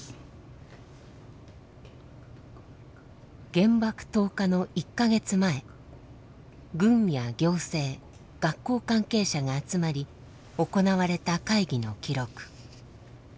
原爆投下の１か月前軍や行政学校関係者が集まり行われた会議の記録。